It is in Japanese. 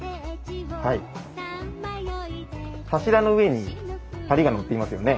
柱の上に梁が載っていますよね？